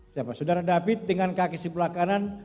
siapa saudara david dengan kaki sebelah kanan